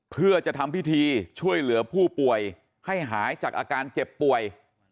เพื่อจะทำพิธีช่วยเหลือผู้ป่วยให้หายจากอาการเจ็บป่วย